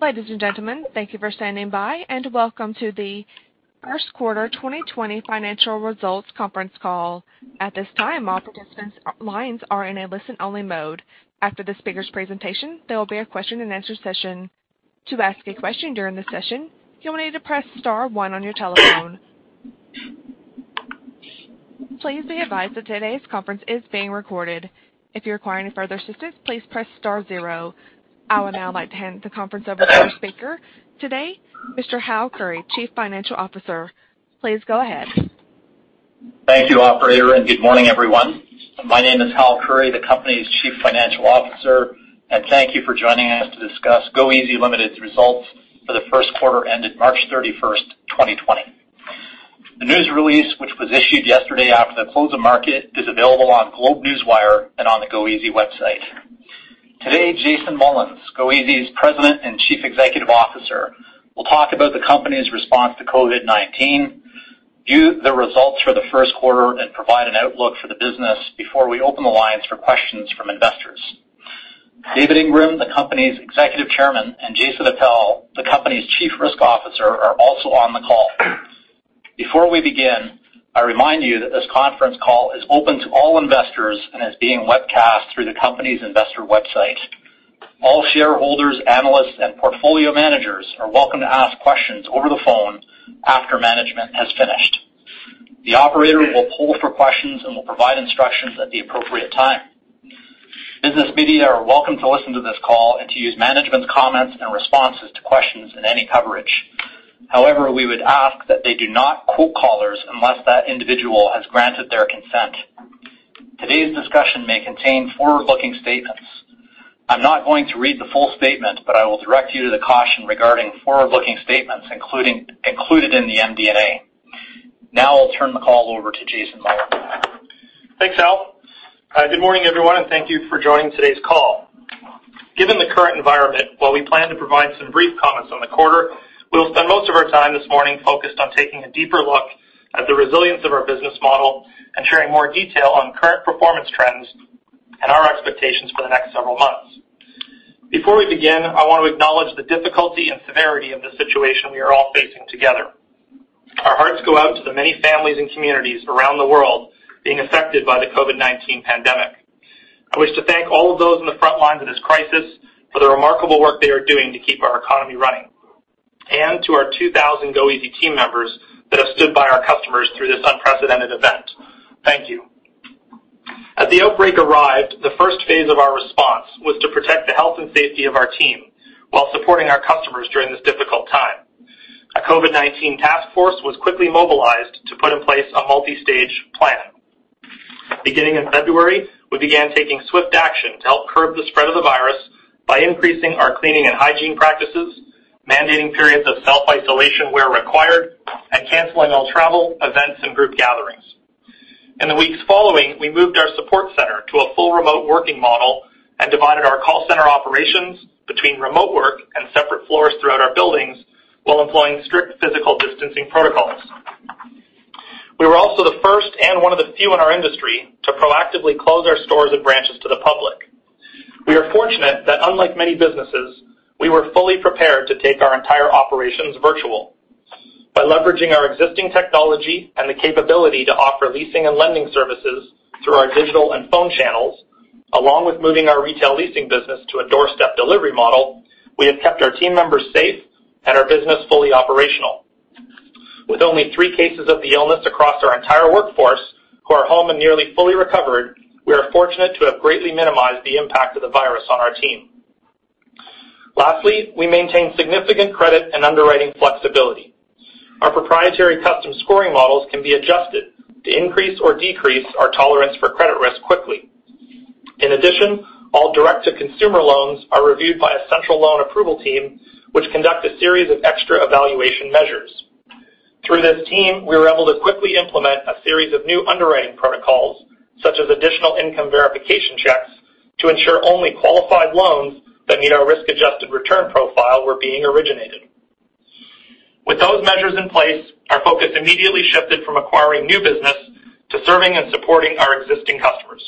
Ladies and gentlemen, thank you for standing by, and welcome to the first quarter 2020 financial results conference call. At this time, all participants' lines are in a listen-only mode. After the speakers' presentation, there will be a question and answer session. To ask a question during the session, you will need to press star one on your telephone. Please be advised that today's conference is being recorded. If you require any further assistance, please press star zero. I would now like to hand the conference over to our speaker today, Mr. Hal Khouri, Chief Financial Officer. Please go ahead. Thank you, operator, and good morning, everyone. My name is Hal Khouri, the company's Chief Financial Officer, and thank you for joining us to discuss goeasy Ltd's results for the first quarter ended March 31st, 2020. The news release, which was issued yesterday after the close of market, is available on GlobeNewswire and on the goeasy website. Today, Jason Mullins, goeasy's President and Chief Executive Officer, will talk about the company's response to COVID-19, view the results for the first quarter, and provide an outlook for the business before we open the lines for questions from investors. David Ingram, the company's Executive Chairman, and Jason Appel, the company's Chief Risk Officer, are also on the call. Before we begin, I remind you that this conference call is open to all investors and is being webcast through the company's investor website. All shareholders, analysts, and portfolio managers are welcome to ask questions over the phone after management has finished. The operator will poll for questions and will provide instructions at the appropriate time. Business media are welcome to listen to this call and to use management's comments and responses to questions in any coverage. We would ask that they do not quote callers unless that individual has granted their consent. Today's discussion may contain forward-looking statements. I'm not going to read the full statement, but I will direct you to the caution regarding forward-looking statements included in the MD&A. I'll turn the call over to Jason Mullins. Thanks, Hal. Good morning, everyone, and thank you for joining today's call. Given the current environment, while we plan to provide some brief comments on the quarter, we will spend most of our time this morning focused on taking a deeper look at the resilience of our business model and sharing more detail on current performance trends and our expectations for the next several months. Before we begin, I want to acknowledge the difficulty and severity of the situation we are all facing together. Our hearts go out to the many families and communities around the world being affected by the COVID-19 pandemic. I wish to thank all of those on the front lines of this crisis for the remarkable work they are doing to keep our economy running, and to our 2,000 goeasy team members that have stood by our customers through this unprecedented event. Thank you. As the outbreak arrived, the first phase of our response was to protect the health and safety of our team while supporting our customers during this difficult time. A COVID-19 task force was quickly mobilized to put in place a multi-stage plan. Beginning in February, we began taking swift action to help curb the spread of the virus by increasing our cleaning and hygiene practices, mandating periods of self-isolation where required, and canceling all travel, events, and group gatherings. In the weeks following, we moved our support center to a full remote working model and divided our call center operations between remote work and separate floors throughout our buildings while employing strict physical distancing protocols. We were also the first and one of the few in our industry to proactively close our stores and branches to the public. We are fortunate that, unlike many businesses, we were fully prepared to take our entire operations virtual. By leveraging our existing technology and the capability to offer leasing and lending services through our digital and phone channels, along with moving our retail leasing business to a doorstep delivery model, we have kept our team members safe and our business fully operational. With only three cases of the illness across our entire workforce, who are home and nearly fully recovered, we are fortunate to have greatly minimized the impact of the virus on our team. Lastly, we maintain significant credit and underwriting flexibility. Our proprietary custom scoring models can be adjusted to increase or decrease our tolerance for credit risk quickly. In addition, all direct-to-consumer loans are reviewed by a central loan approval team, which conduct a series of extra evaluation measures. Through this team, we were able to quickly implement a series of new underwriting protocols, such as additional income verification checks, to ensure only qualified loans that meet our risk-adjusted return profile were being originated. With those measures in place, our focus immediately shifted from acquiring new business to serving and supporting our existing customers.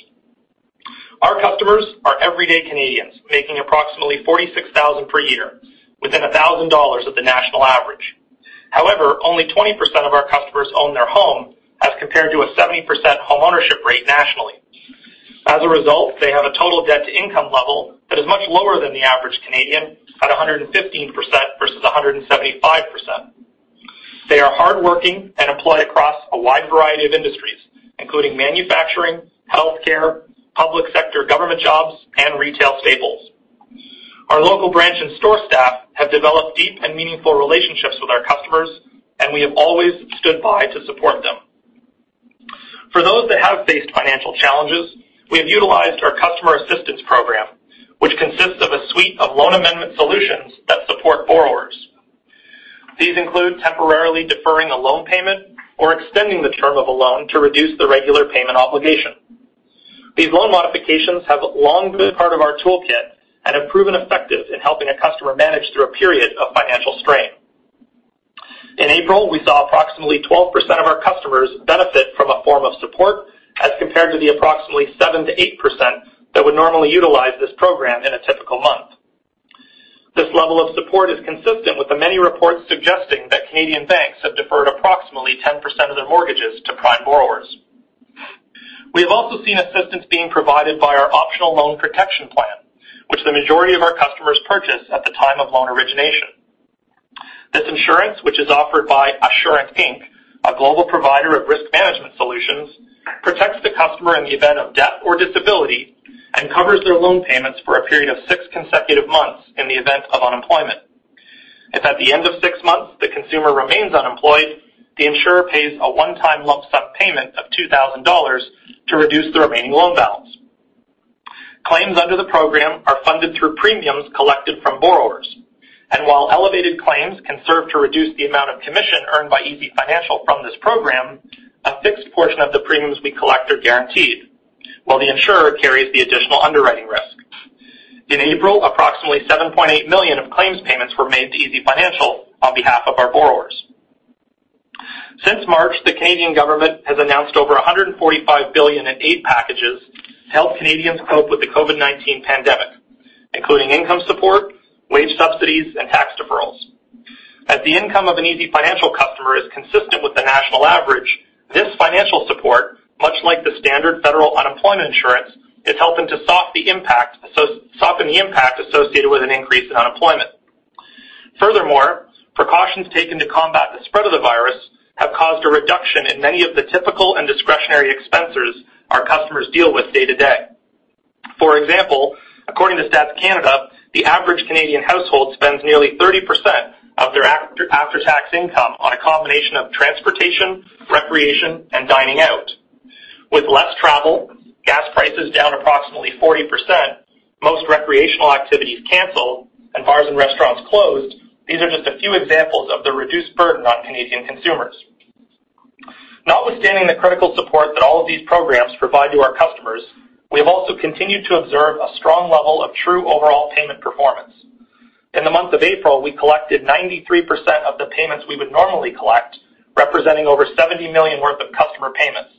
Our customers are everyday Canadians making approximately 46,000 per year, within 1,000 dollars of the national average. However, only 20% of our customers own their home, as compared to a 70% home ownership rate nationally. As a result, they have a total debt-to-income level that is much lower than the average Canadian at 115% versus 175%. They are hardworking and employed across a wide variety of industries, including manufacturing, healthcare, public sector government jobs, and retail staples. Our local branch and store staff have developed deep and meaningful relationships with our customers, and we have always stood by to support them. For those that have faced financial challenges, we have utilized our customer assistance program, which consists of a suite of loan amendment solutions that support borrowers. These include temporarily deferring a loan payment or extending the term of a loan to reduce the regular payment obligation. These loan modifications have long been part of our toolkit and have proven effective in helping a customer manage through a period of financial strain. In April, we saw approximately 12% of our customers benefit from a form of support as compared to the approximately 7%-8% that would normally utilize this program in a typical month. This level of support is consistent with the many reports suggesting that Canadian banks have deferred approximately 10% of their mortgages to prime borrowers. We have also seen assistance being provided by our optional loan protection plan, which the majority of our customers purchase at the time of loan origination. This insurance, which is offered by Assurant, Inc., a global provider of risk management solutions, protects the customer in the event of death or disability and covers their loan payments for a period of six consecutive months in the event of unemployment. If at the end of six months the consumer remains unemployed, the insurer pays a one-time lump sum payment of 2,000 dollars to reduce the remaining loan balance. Claims under the program are funded through premiums collected from borrowers. While elevated claims can serve to reduce the amount of commission earned by easyfinancial from this program, a fixed portion of the premiums we collect are guaranteed while the insurer carries the additional underwriting risk. In April, approximately 7.8 million of claims payments were made to easyfinancial on behalf of our borrowers. Since March, the Canadian government has announced over 145 billion in aid packages to help Canadians cope with the COVID-19 pandemic, including income support, wage subsidies, and tax deferrals. As the income of an easyfinancial customer is consistent with the national average, this financial support, much like the standard federal unemployment insurance, is helping to soften the impact associated with an increase in unemployment. Furthermore, precautions taken to combat the spread of the virus have caused a reduction in many of the typical and discretionary expenses our customers deal with day to day. For example, according to Stats Canada, the average Canadian household spends nearly 30% of their after-tax income on a combination of transportation, recreation, and dining out. With less travel, gas prices down approximately 40%, most recreational activities canceled, and bars and restaurants closed, these are just a few examples of the reduced burden on Canadian consumers. Notwithstanding the critical support that all of these programs provide to our customers, we have also continued to observe a strong level of true overall payment performance. In the month of April, we collected 93% of the payments we would normally collect, representing over 70 million worth of customer payments,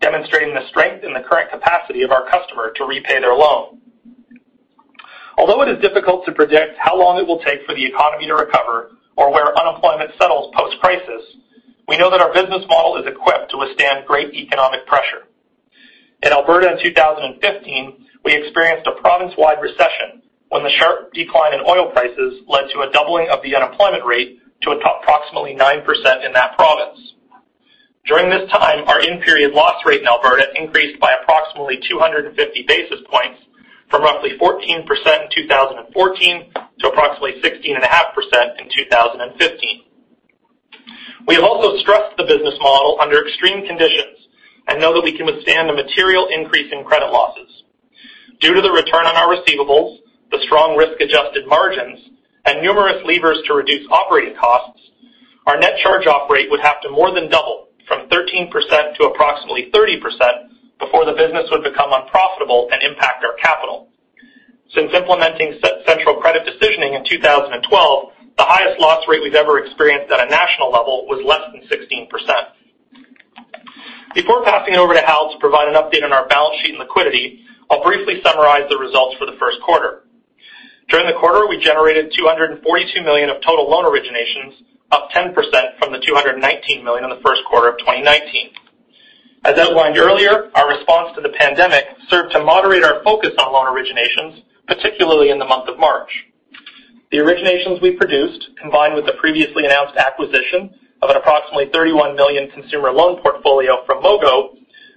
demonstrating the strength and the current capacity of our customer to repay their loan. Although it is difficult to predict how long it will take for the economy to recover or where unemployment settles post-crisis, we know that our business model is equipped to withstand great economic pressure. In Alberta in 2015, we experienced a province-wide recession when the sharp decline in oil prices led to a doubling of the unemployment rate to approximately 9% in that province. During this time, our in-period loss rate in Alberta increased by approximately 250 basis points from roughly 14% in 2014 to approximately 16.5% in 2015. We have also stressed the business model under extreme conditions and know that we can withstand a material increase in credit losses. Due to the return on our receivables, the strong risk-adjusted margins, and numerous levers to reduce operating costs, our net charge-off rate would have to more than double from 13% to approximately 30% before the business would become unprofitable and impact our capital. Since implementing central credit decisioning in 2012, the highest loss rate we've ever experienced at a national level was less than 16%. Before passing it over to Hal to provide an update on our balance sheet and liquidity, I'll briefly summarize the results for the first quarter. During the quarter, we generated 242 million of total loan originations, up 10% from the 219 million in the first quarter of 2019. As outlined earlier, our response to the pandemic served to moderate our focus on loan originations, particularly in the month of March. The originations we produced, combined with the previously announced acquisition of an approximately 31 million consumer loan portfolio from Mogo,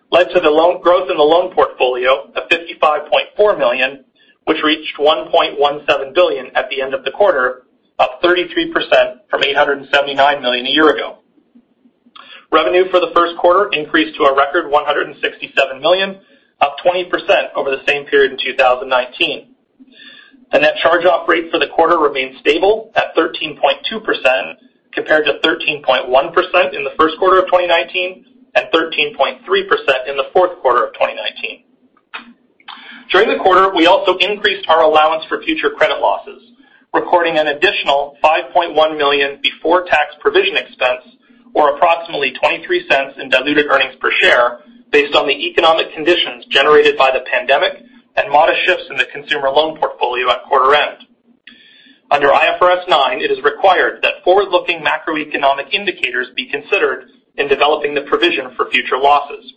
led to the growth in the loan portfolio of 55.4 million, which reached 1.17 billion at the end of the quarter, up 33% from 879 million a year ago. Revenue for the first quarter increased to a record 167 million, up 20% over the same period in 2019. The net charge-off rate for the quarter remained stable at 13.2%, compared to 13.1% in the first quarter of 2019 and 13.3% in the fourth quarter of 2019. During the quarter, we also increased our allowance for future credit losses, recording an additional 5.1 million before-tax provision expense or approximately 0.23 in diluted earnings per share based on the economic conditions generated by the pandemic and modest shifts in the consumer loan portfolio at quarter end. Under IFRS 9, it is required that forward-looking macroeconomic indicators be considered in developing the provision for future losses.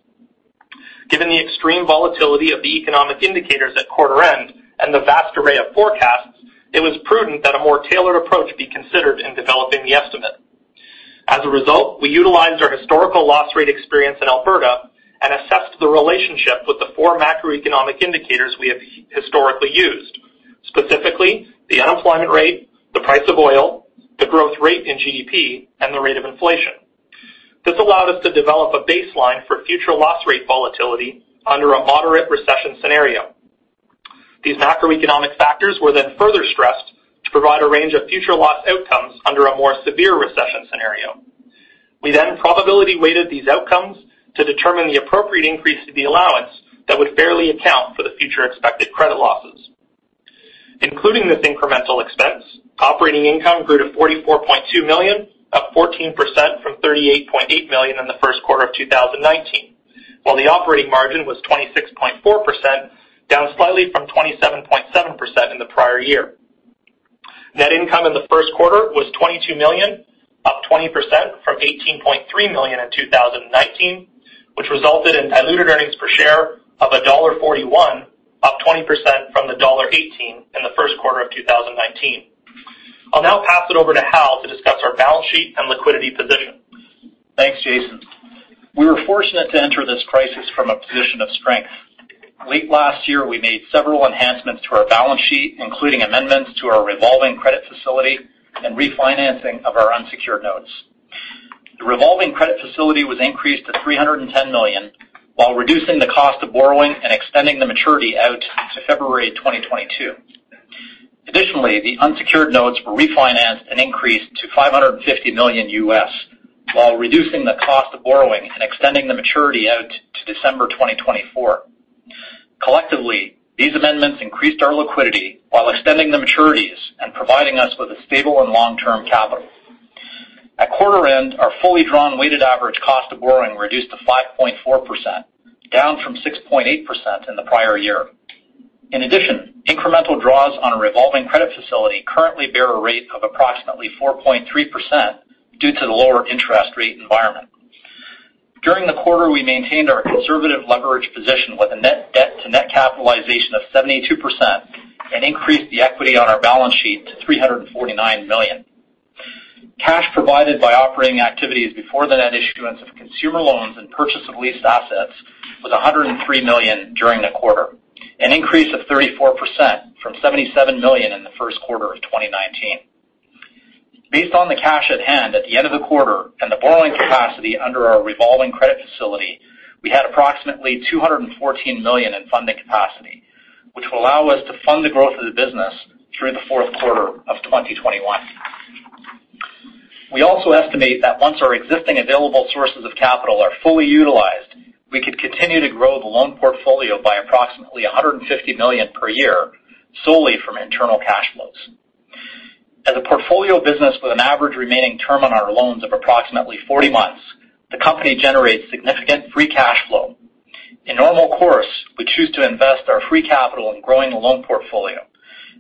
Given the extreme volatility of the economic indicators at quarter end and the vast array of forecasts, it was prudent that a more tailored approach be considered in developing the estimate. As a result, we utilized our historical loss rate experience in Alberta and assessed the relationship with the four macroeconomic indicators we have historically used, specifically the unemployment rate, the price of oil, the growth rate in GDP, and the rate of inflation. This allowed us to develop a baseline for future loss rate volatility under a moderate recession scenario. These macroeconomic factors were then further stressed to provide a range of future loss outcomes under a more severe recession scenario. We then probability-weighted these outcomes to determine the appropriate increase to the allowance that would fairly account for the future expected credit losses. Including this incremental expense, operating income grew to 44.2 million, up 14% from 38.8 million in the first quarter of 2019. The operating margin was 26.4%, down slightly from 27.7% in the prior year. Net income in the first quarter was CAD 22 million, up 20% from CAD 18.3 million in 2019, which resulted in diluted earnings per share of CAD 1.41, up 20% from the CAD 1.18 in the first quarter of 2019. I'll now pass it over to Hal to discuss our balance sheet and liquidity position. Thanks, Jason. We were fortunate to enter this crisis from a position of strength. Late last year, we made several enhancements to our balance sheet, including amendments to our revolving credit facility and refinancing of our unsecured notes. The revolving credit facility was increased to 310 million, while reducing the cost of borrowing and extending the maturity out to February 2022. The unsecured notes were refinanced and increased to $550 million U.S., while reducing the cost of borrowing and extending the maturity out to December 2024. Collectively, these amendments increased our liquidity while extending the maturities and providing us with a stable and long-term capital. At quarter end, our fully drawn weighted average cost of borrowing reduced to 5.4%, down from 6.8% in the prior year. Incremental draws on a revolving credit facility currently bear a rate of approximately 4.3% due to the lower interest rate environment. During the quarter, we maintained our conservative leverage position with a net debt to net capitalization of 72% and increased the equity on our balance sheet to 349 million. Cash provided by operating activities before the net issuance of consumer loans and purchase of leased assets was 103 million during the quarter, an increase of 34% from 77 million in the first quarter of 2019. Based on the cash at hand at the end of the quarter and the borrowing capacity under our revolving credit facility, we had approximately 214 million in funding capacity, which will allow us to fund the growth of the business through the fourth quarter of 2021. We also estimate that once our existing available sources of capital are fully utilized, we could continue to grow the loan portfolio by approximately 150 million per year solely from internal cash flows. As a portfolio business with an average remaining term on our loans of approximately 40 months, the company generates significant free cash flow. In normal course, we choose to invest our free capital in growing the loan portfolio,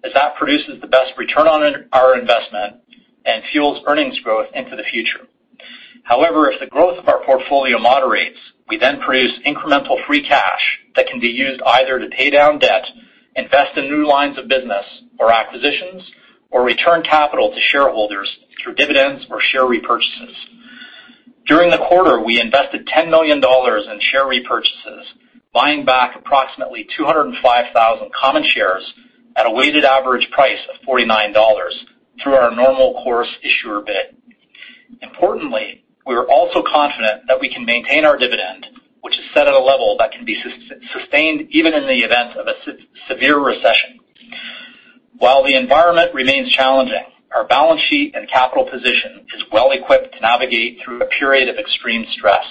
as that produces the best return on our investment and fuels earnings growth into the future. If the growth of our portfolio moderates, we then produce incremental free cash that can be used either to pay down debt, invest in new lines of business or acquisitions, or return capital to shareholders through dividends or share repurchases. During the quarter, we invested 10 million dollars in share repurchases, buying back approximately 205,000 common shares at a weighted average price of 49 dollars through our normal course issuer bid. Importantly, we are also confident that we can maintain our dividend, which is set at a level that can be sustained even in the event of a severe recession. While the environment remains challenging, our balance sheet and capital position is well equipped to navigate through a period of extreme stress.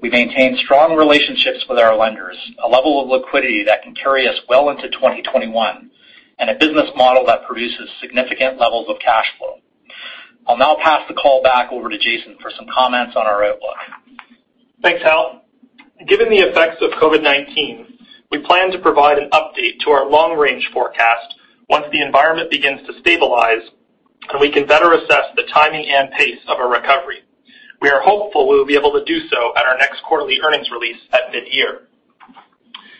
We maintain strong relationships with our lenders, a level of liquidity that can carry us well into 2021, and a business model that produces significant levels of cash flow. I'll now pass the call back over to Jason for some comments on our outlook. Thanks, Hal. Given the effects of COVID-19, we plan to provide an update to our long-range forecast once the environment begins to stabilize and we can better assess the timing and pace of a recovery. We are hopeful we will be able to do so at our next quarterly earnings release at mid-year.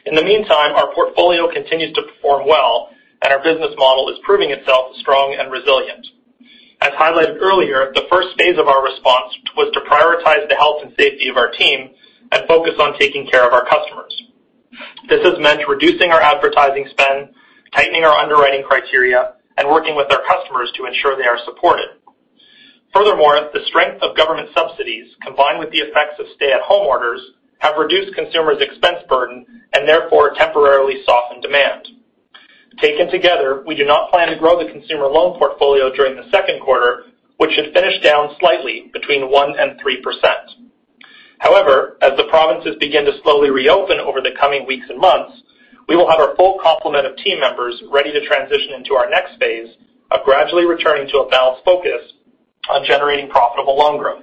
In the meantime, our portfolio continues to perform well and our business model is proving itself strong and resilient. As highlighted earlier, the first phase of our response was to prioritize the health and safety of our team and focus on taking care of our customers. This has meant reducing our advertising spend, tightening our underwriting criteria, and working with our customers to ensure they are supported. Furthermore, the strength of government subsidies, combined with the effects of stay-at-home orders, have reduced consumers' expense burden and therefore temporarily softened demand. Taken together, we do not plan to grow the consumer loan portfolio during the second quarter, which should finish down slightly between 1% and 3%. As the provinces begin to slowly reopen over the coming weeks and months, we will have our full complement of team members ready to transition into our next phase of gradually returning to a balanced focus on generating profitable loan growth.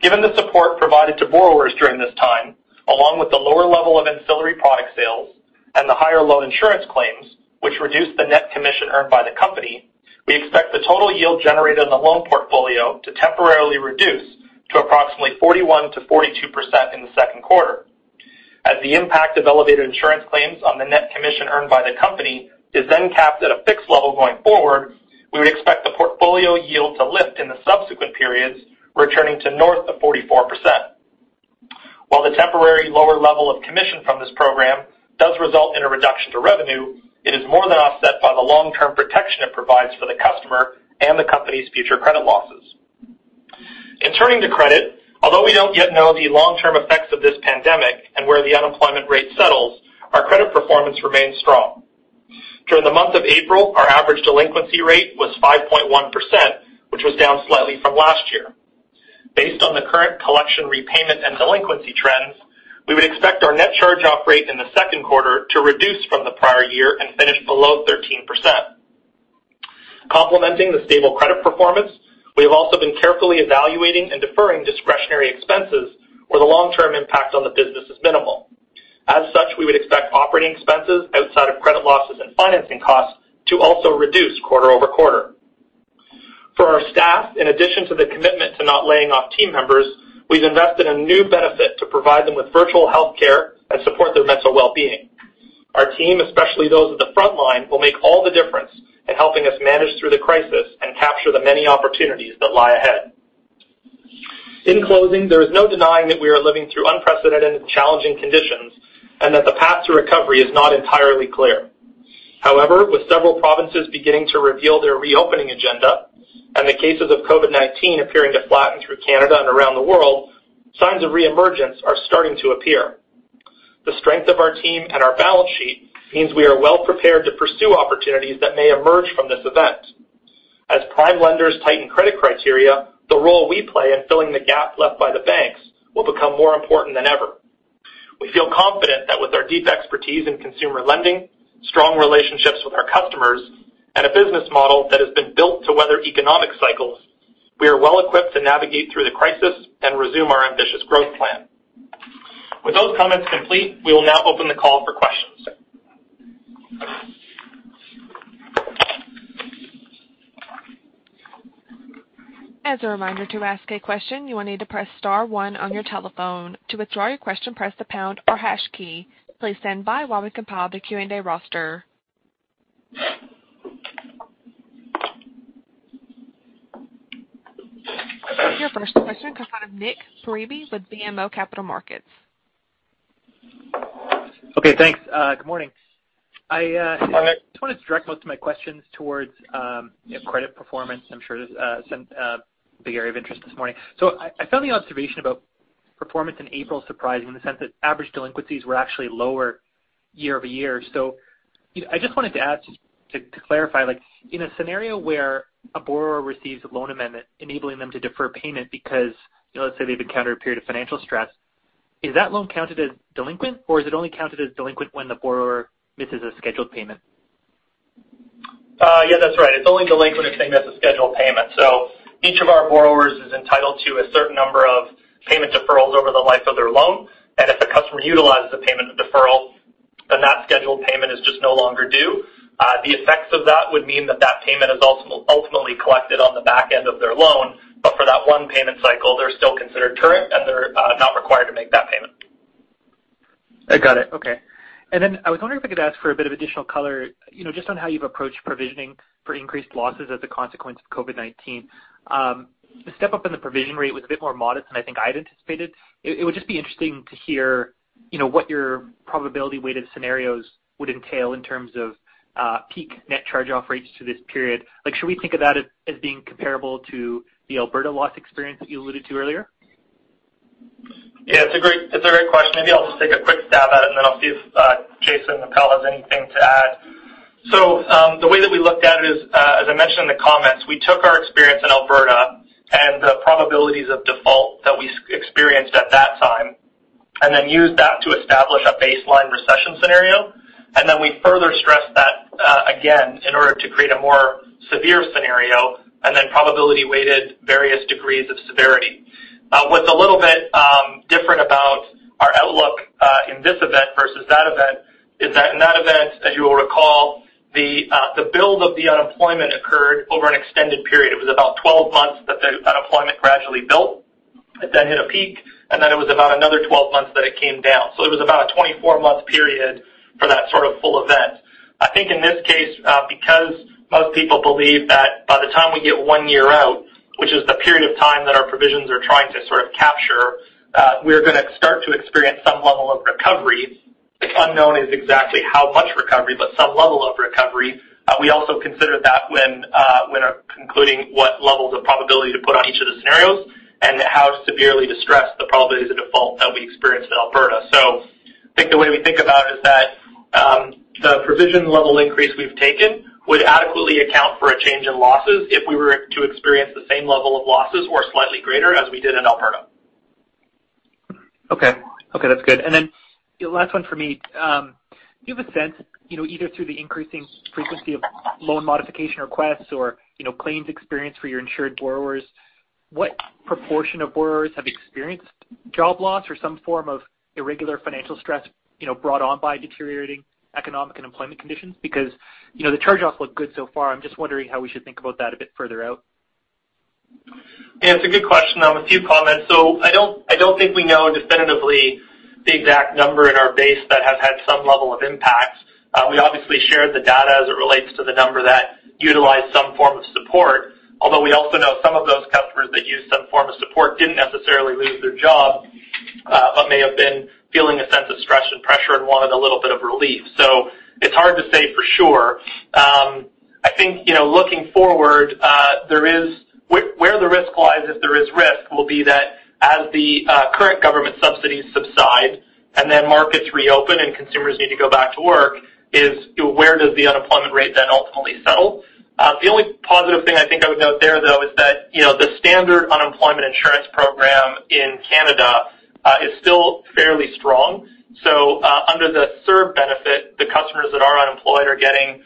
Given the support provided to borrowers during this time, along with the lower level of ancillary product sales and the higher loan insurance claims, which reduced the net commission earned by the company, we expect the total yield generated on the loan portfolio to temporarily reduce to approximately 41%-42% in the second quarter. The impact of elevated insurance claims on the net commission earned by the company is capped at a fixed level going forward, we would expect the portfolio yield to lift in the subsequent periods, returning to north of 44%. The temporary lower level of commission from this program does result in a reduction to revenue, it is more than offset by the long-term protection it provides for the customer and the company's future credit losses. In turning to credit, although we don't yet know the long-term effects of this pandemic and where the unemployment rate settles, our credit performance remains strong. During the month of April, our average delinquency rate was 5.1%, which was down slightly from last year. Current collection repayment and delinquency trends, we would expect our net charge-off rate in the second quarter to reduce from the prior year and finish below 13%. Complementing the stable credit performance, we have also been carefully evaluating and deferring discretionary expenses where the long-term impact on the business is minimal. We would expect operating expenses outside of credit losses and financing costs to also reduce quarter-over-quarter. For our staff, in addition to the commitment to not laying off team members, we've invested in new benefit to provide them with virtual healthcare and support their mental wellbeing. Our team, especially those at the frontline, will make all the difference in helping us manage through the crisis and capture the many opportunities that lie ahead. In closing, there is no denying that we are living through unprecedented and challenging conditions, and that the path to recovery is not entirely clear. However, with several provinces beginning to reveal their reopening agenda and the cases of COVID-19 appearing to flatten through Canada and around the world, signs of reemergence are starting to appear. The strength of our team and our balance sheet means we are well-prepared to pursue opportunities that may emerge from this event. As prime lenders tighten credit criteria, the role we play in filling the gap left by the banks will become more important than ever. We feel confident that with our deep expertise in consumer lending, strong relationships with our customers, and a business model that has been built to weather economic cycles, we are well-equipped to navigate through the crisis and resume our ambitious growth plan. With those comments complete, we will now open the call for questions. As a reminder, to ask a question, you will need to press star one on your telephone. To withdraw your question, press the pound or hash key. Please stand by while we compile the Q&A roster. Your first question comes out of Nik Priebe with BMO Capital Markets. Okay, thanks. Good morning. Hi. I just wanted to direct most of my questions towards credit performance. I'm sure it's a big area of interest this morning. I found the observation about performance in April surprising in the sense that average delinquencies were actually lower year-over-year. I just wanted to ask just to clarify, in a scenario where a borrower receives a loan amendment enabling them to defer payment because, let's say, they've encountered a period of financial stress, is that loan counted as delinquent, or is it only counted as delinquent when the borrower misses a scheduled payment? Yeah, that's right. It's only delinquent if they miss a scheduled payment. Each of our borrowers is entitled to a certain number of payment deferrals over the life of their loan. If a customer utilizes a payment deferral, that scheduled payment is just no longer due. The effects of that would mean that that payment is ultimately collected on the back end of their loan. For that one payment cycle, they're still considered current, and they're not required to make that payment. I got it. Okay. I was wondering if I could ask for a bit of additional color just on how you've approached provisioning for increased losses as a consequence of COVID-19. The step up in the provision rate was a bit more modest than I think I had anticipated. It would just be interesting to hear what your probability-weighted scenarios would entail in terms of peak net charge-off rates through this period. Should we think about it as being comparable to the Alberta loss experience that you alluded to earlier? Yeah. It's a great question. Maybe I'll just take a quick stab at it, and then I'll see if Jason or Hal has anything to add. The way that we looked at it is, as I mentioned in the comments, we took our experience in Alberta and the probabilities of default that we experienced at that time and then used that to establish a baseline recession scenario. We further stressed that again in order to create a more severe scenario and then probability-weighted various degrees of severity. What's a little bit different about our outlook in this event versus that event is that in that event, as you will recall, the build of the unemployment occurred over an extended period. It was about 12 months that the unemployment gradually built. It then hit a peak, and then it was about another 12 months that it came down. It was about a 24-month period for that sort of full event. I think in this case, because most people believe that by the time we get one year out, which is the period of time that our provisions are trying to sort of capture, we're going to start to experience some level of recovery. The unknown is exactly how much recovery, but some level of recovery. We also consider that when concluding what levels of probability to put on each of the scenarios and how severely distressed the probabilities of default that we experienced in Alberta. I think the way we think about it is that the provision level increase we've taken would adequately account for a change in losses if we were to experience the same level of losses or slightly greater as we did in Alberta. Okay. That's good. The last one for me. Do you have a sense, either through the increasing frequency of loan modification requests or claims experience for your insured borrowers, what proportion of borrowers have experienced job loss or some form of irregular financial stress brought on by deteriorating economic and employment conditions? The charge-offs look good so far. I'm just wondering how we should think about that a bit further out. Yeah. It's a good question. A few comments. I don't think we know definitively the exact number in our base that has had some level of impact. We obviously shared the data as it relates to the number that utilized some form of support. Although we also know some of those customers that used some form of support didn't necessarily lose their job but may have been feeling a sense of stress and pressure and wanted a little bit of relief. It's hard to say for sure. I think looking forward, where the risk lies, if there is risk, will be that as the current government and then markets reopen and consumers need to go back to work is where does the unemployment rate then ultimately settle? The only positive thing I think I would note there, though, is that the standard unemployment insurance program in Canada is still fairly strong. Under the CERB benefit, the customers that are unemployed are getting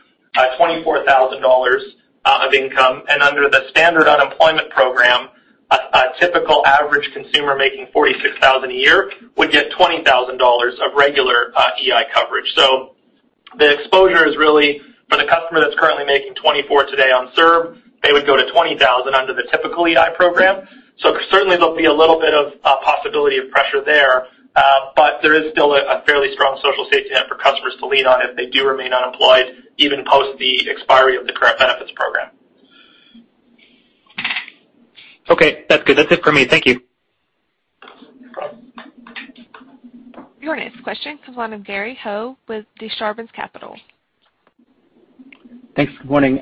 24,000 dollars of income. Under the standard unemployment program, a typical average consumer making 46,000 a year would get 20,000 dollars of regular EI coverage. The exposure is really for the customer that's currently making 24,000 dollars today on CERB, they would go to 20,000 under the typical EI program. Certainly there'll be a little bit of possibility of pressure there. There is still a fairly strong social safety net for customers to lean on if they do remain unemployed, even post the expiry of the current benefits program. Okay. That's good. That's it for me. Thank you. Your next question comes on Gary Ho with Desjardins Capital. Thanks. Good morning.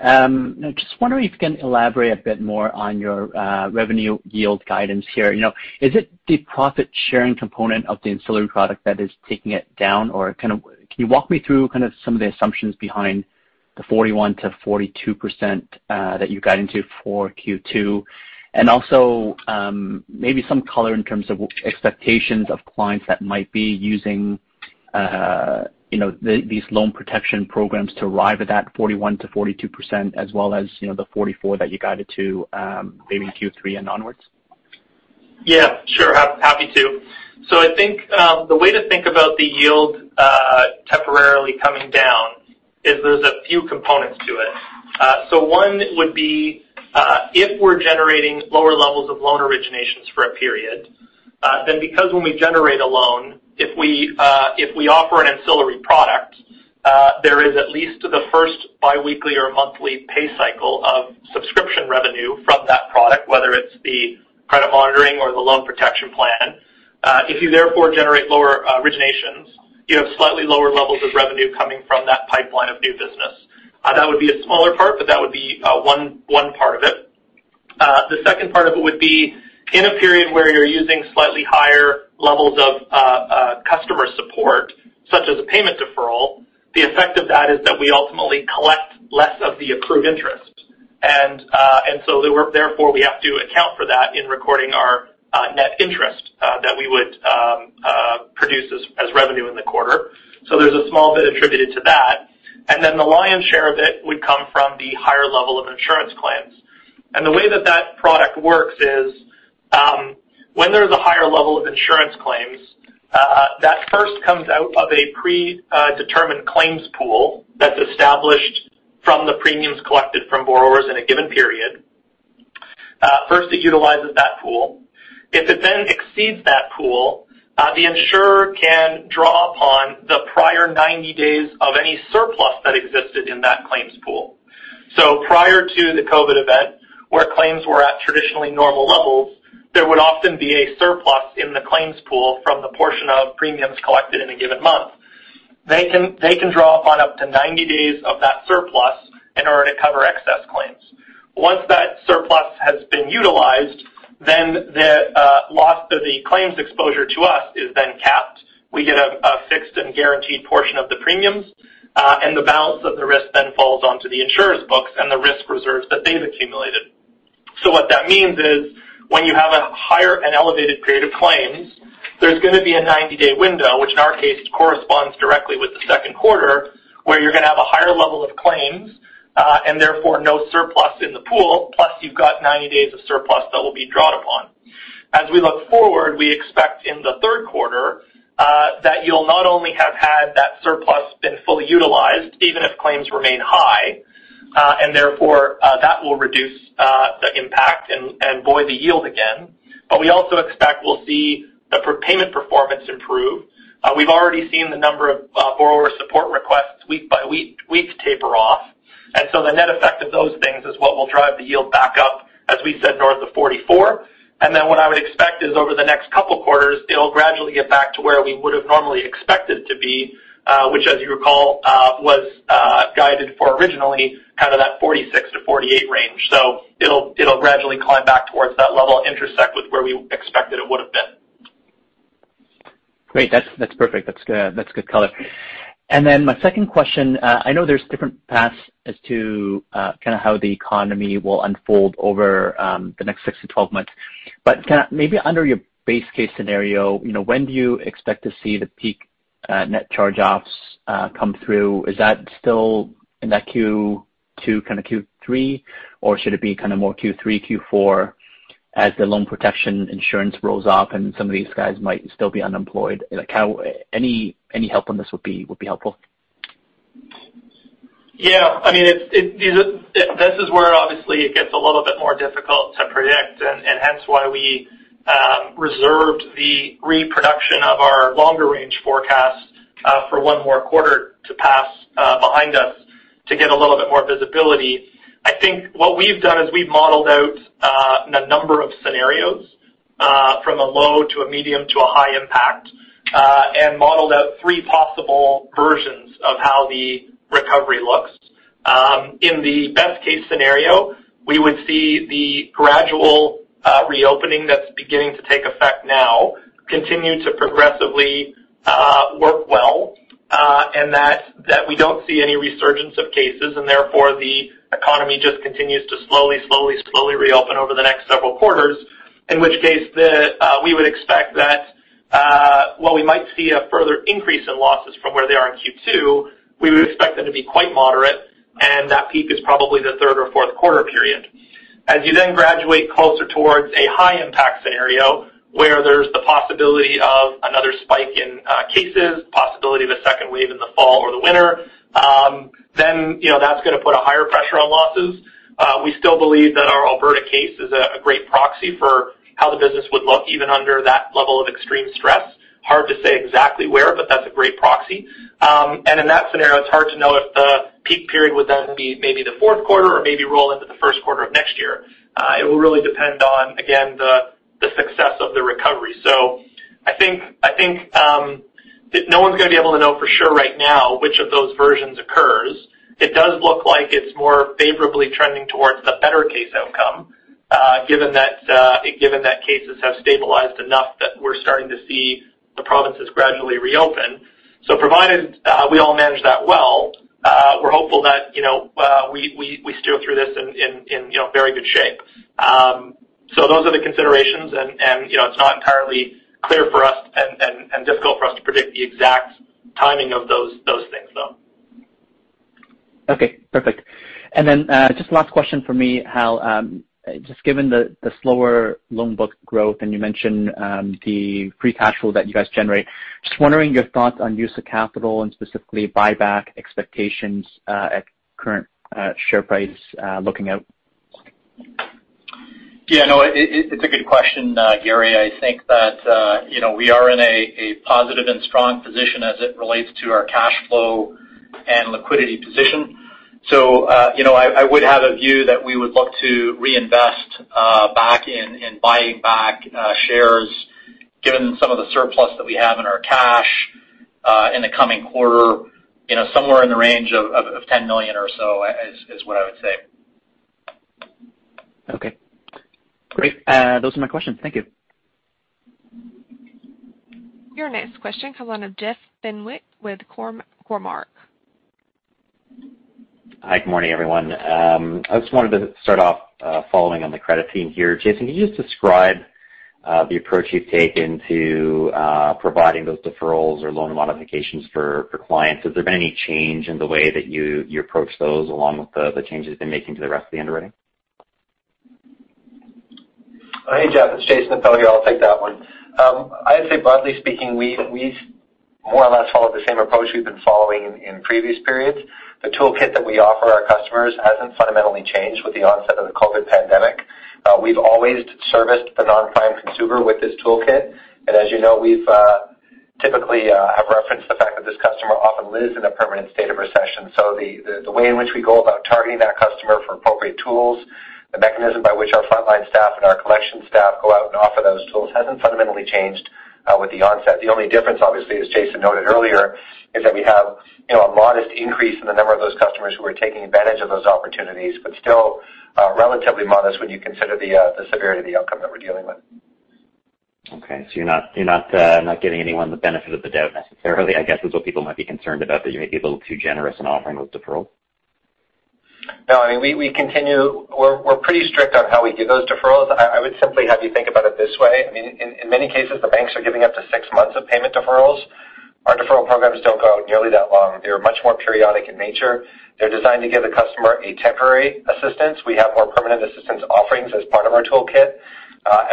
Just wondering if you can elaborate a bit more on your revenue yield guidance here. Is it the profit-sharing component of the ancillary product that is taking it down? Can you walk me through kind of some of the assumptions behind the 41%-42% that you got into for Q2? Also maybe some color in terms of expectations of clients that might be using these loan protection programs to arrive at that 41%-42%, as well as the 44% that you guided to maybe Q3 and onwards. Yeah. Sure. Happy to. I think the way to think about the yield temporarily coming down is there's a few components to it. One would be if we're generating lower levels of loan originations for a period. Because when we generate a loan, if we offer an ancillary product there is at least the first biweekly or monthly pay cycle of subscription revenue from that product, whether it's the credit monitoring or the loan protection plan. If you therefore generate lower originations, you have slightly lower levels of revenue coming from that pipeline of new business. That would be a smaller part, but that would be one part of it. The second part of it would be in a period where you're using slightly higher levels of customer support, such as a payment deferral, the effect of that is that we ultimately collect less of the accrued interest. Therefore we have to account for that in recording our net interest that we would produce as revenue in the quarter. There's a small bit attributed to that. The lion's share of it would come from the higher level of insurance claims. The way that that product works is when there's a higher level of insurance claims that first comes out of a predetermined claims pool that's established from the premiums collected from borrowers in a given period. First, it utilizes that pool. If it then exceeds that pool, the insurer can draw upon the prior 90 days of any surplus that existed in that claims pool. Prior to the COVID event, where claims were at traditionally normal levels, there would often be a surplus in the claims pool from the portion of premiums collected in a given month. They can draw upon up to 90 days of that surplus in order to cover excess claims. Once that surplus has been utilized, then the loss to the claims exposure to us is then capped. We get a fixed and guaranteed portion of the premiums, and the balance of the risk then falls onto the insurer's books and the risk reserves that they've accumulated. What that means is when you have a higher and elevated period of claims, there's going to be a 90-day window, which in our case corresponds directly with the second quarter, where you're going to have a higher level of claims, and therefore no surplus in the pool, plus you've got 90 days of surplus that will be drawn upon. As we look forward, we expect in the third quarter that you'll not only have had that surplus been fully utilized, even if claims remain high, and therefore that will reduce the impact and buoy the yield again. We also expect we'll see the payment performance improve. We've already seen the number of borrower support requests week by week taper off. The net effect of those things is what will drive the yield back up, as we said, north of 44%. What I would expect is over the next couple quarters, it'll gradually get back to where we would have normally expected to be. Which as you recall, was guided for originally kind of that 46%-48% range. It'll gradually climb back towards that level, intersect with where we expected it would have been. Great. That's perfect. That's good color. My second question. I know there's different paths as to kind of how the economy will unfold over the next six to 12 months. Kind of maybe under your base case scenario, when do you expect to see the peak net charge-offs come through? Is that still in that Q2 kind of Q3, or should it be kind of more Q3, Q4 as the loan protection insurance rolls off and some of these guys might still be unemployed? Any help on this would be helpful. Yeah. This is where obviously it gets a little bit more difficult to predict, and hence why we reserved the reproduction of our longer-range forecast for one more quarter to pass behind us to get a little bit more visibility. Modeled out three possible versions of how the recovery looks. In the best-case scenario. We see the gradual reopening that's beginning to take effect now continue to progressively work well, and that we don't see any resurgence of cases, and therefore the economy just continues to slowly reopen over the next several quarters. In which case, we would expect that while we might see a further increase in losses from where they are in Q2, we would expect them to be quite moderate, and that peak is probably the third or fourth quarter period. As you graduate closer towards a high-impact scenario where there's the possibility of another spike in cases, possibility of a second wave in the fall or the winter, that's going to put a higher pressure on losses. We still believe that our Alberta case is a great proxy for how the business would look even under that level of extreme stress. Hard to say exactly where. That's a great proxy. In that scenario, it's hard to know if the peak period would then be maybe the fourth quarter or maybe roll into the first quarter of next year. It will really depend on, again, the success of the recovery. I think that no one's going to be able to know for sure right now which of those versions occurs. It does look like it's more favorably trending towards the better case outcome given that cases have stabilized enough that we're starting to see the provinces gradually reopen. Provided we all manage that well, we're hopeful that we steer through this in very good shape. Those are the considerations, and it's not entirely clear for us and difficult for us to predict the exact timing of those things, though. Okay, perfect. Just last question from me, Hal. Just given the slower loan book growth, and you mentioned the free cash flow that you guys generate, just wondering your thoughts on use of capital and specifically buyback expectations at current share price looking out? Yeah, no, it's a good question, Gary. I think that we are in a positive and strong position as it relates to our cash flow and liquidity position. I would have a view that we would look to reinvest back in buying back shares, given some of the surplus that we have in our cash in the coming quarter. Somewhere in the range of 10 million or so is what I would say. Okay, great. Those are my questions. Thank you. Your next question comes on Jeff Fenwick with Cormark. Hi, good morning, everyone. I just wanted to start off following on the credit theme here. Jason, can you just describe the approach you've taken to providing those deferrals or loan modifications for clients? Has there been any change in the way that you approach those along with the changes you've been making to the rest of the underwriting? Hey, Jeff, it's Jason Appel here. I'll take that one. I'd say broadly speaking, we more or less follow the same approach we've been following in previous periods. The toolkit that we offer our customers hasn't fundamentally changed with the onset of the COVID pandemic. We've always serviced the non-prime consumer with this toolkit. As you know, we typically have referenced the fact that this customer often lives in a permanent state of recession. The way in which we go about targeting that customer for appropriate tools, the mechanism by which our frontline staff and our collection staff go out and offer those tools hasn't fundamentally changed with the onset. The only difference, obviously, as Jason noted earlier, is that we have a modest increase in the number of those customers who are taking advantage of those opportunities, but still relatively modest when you consider the severity of the outcome that we're dealing with. Okay. You're not giving anyone the benefit of the doubt necessarily. I guess is what people might be concerned about, that you might be a little too generous in offering those deferrals. No. We're pretty strict on how we give those deferrals. I would simply have you think about it this way. In many cases, the banks are giving up to six months of payment deferrals. Our deferral programs don't go out nearly that long. They're much more periodic in nature. They're designed to give the customer a temporary assistance. We have more permanent assistance offerings as part of our toolkit.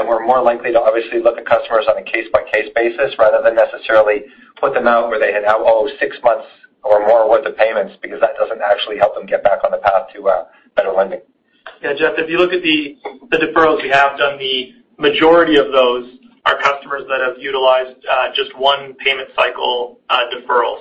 We're more likely to obviously look at customers on a case-by-case basis rather than necessarily put them out where they now owe six months or more worth of payments because that doesn't actually help them get back on the path to better lending. Jeff, if you look at the deferrals we have done, the majority of those are customers that have utilized just one payment cycle deferral.